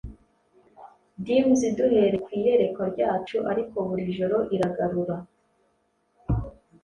Dims duhereye ku iyerekwa ryacu ariko buri joro iragarura